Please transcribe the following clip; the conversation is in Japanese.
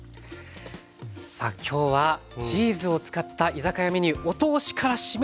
さあ今日はチーズを使った居酒屋メニューお通しから締めのご飯まで教えて頂きました。